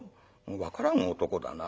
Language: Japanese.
「分からん男だな。